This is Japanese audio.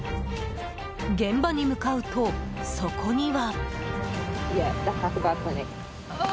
現場に向かうと、そこには。